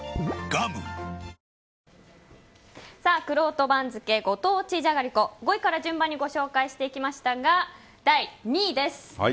くろうと番付ご当地じゃがりこ５位から順番にご紹介していきましたが第２位です。